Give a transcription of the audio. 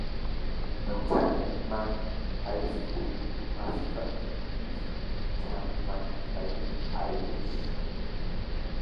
The Chapman High School mascot is Chapman Fighting Irish.